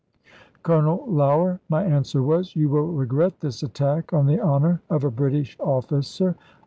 "Colonel Lougher," my answer was, "you will regret this attack on the honour of a British officer.